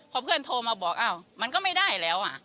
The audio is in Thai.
พอเพื่อนโทรมาบอกอ้าวมันก็ไม่ได้แล้ว